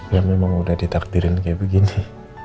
ya memang udah ditakdirin kayak begini